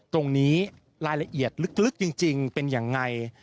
ตรงนี้รายละเอียดลึกจริงเป็นยังไง